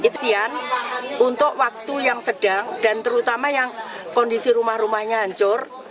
itu siang untuk waktu yang sedang dan terutama yang kondisi rumah rumahnya hancur